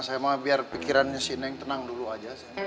saya mah biar pikirannya si neng tenang dulu aja